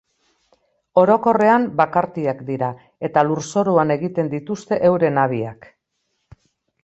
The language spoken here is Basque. Orokorrean bakartiak dira eta lurzoruan egiten dituzte euren habiak.